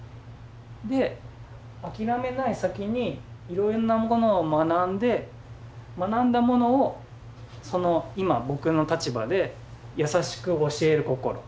で諦めない先にいろいろなものを学んで学んだものをその今僕の立場で優しく教える心。